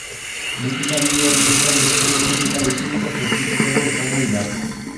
Musika bideo horietan nesken estetika luxuzko prostitutena izan ohi da.